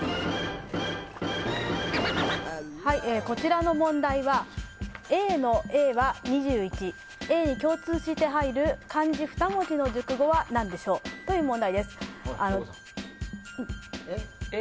こちらの問題はＡの「Ａ」は２１Ａに共通して入る漢字２文字の熟語は何でしょうという問題です。